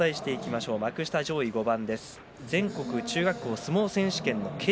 幕下上位５番。